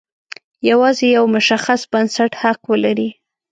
یوازې یو مشخص بنسټ حق ولري.